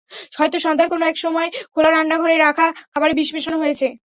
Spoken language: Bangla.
হয়তো সন্ধ্যার কোনো একসময় খোলা রান্নাঘরে রাখা খাবারে বিষ মেশানো হয়েছে।